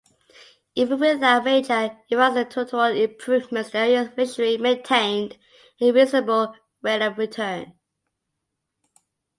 Even without major infrastructural improvements the area's fishery maintained a reasonable rate of return.